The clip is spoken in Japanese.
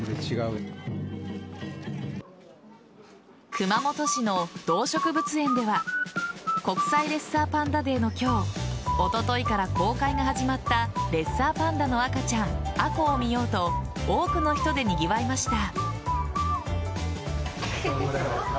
熊本市の動植物園では国際レッサーパンダデーの今日おとといから公開が始まったレッサーパンダの赤ちゃん杏香を見ようと多くの人でにぎわいました。